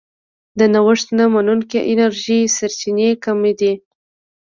د نوښت نه منونکې انرژۍ سرچینې کمې دي.